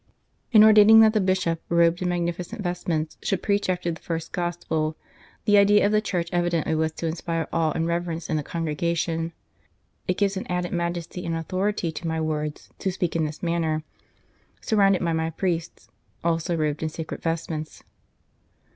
" In ordaining that the Bishop, robed in magnifi cent vestments, should preach after the first Gospel, the idea of the Church evidently was to inspire awe and reverence in the congregation. It gives an added majesty and authority to my words to speak in this manner, surrounded by my priests, also robed in sacred vestments."